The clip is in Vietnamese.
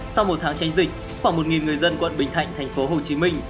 sau một tháng tránh dịch khoảng một người dân quận bình thạnh thành phố hồ chí minh